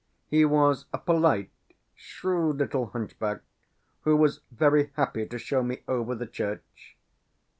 He was a polite, shrewd little hunchback, who was very happy to show me over the church.